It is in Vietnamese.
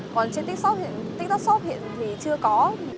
còn trên tiktok shop hiện thì chưa có